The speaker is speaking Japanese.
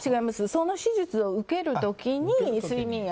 その手術を受けるときに睡眠薬。